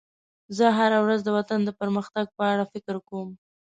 زه هره ورځ د وطن د پرمختګ په اړه فکر کوم.